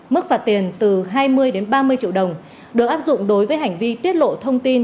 mức phạt tiền từ hai mươi ba mươi triệu đồng được áp dụng đối với hành vi tiết lộ thông tin